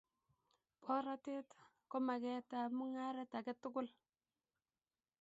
Borotet ko magetab mung'aret age tugul